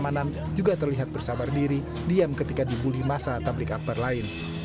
keamanan juga terlihat bersabar diri diam ketika dibully masa tablik akbar lain